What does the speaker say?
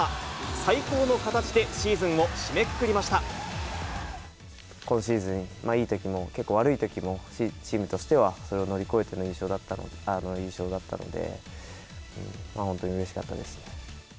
最高の形で、シーズンを締めくく今シーズン、いいときも、結構悪いときも、チームとしては、それを乗り越えての優勝だったので、本当にうれしかったです。